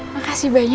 makasih banyak ya